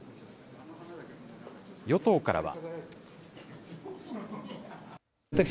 与党からは。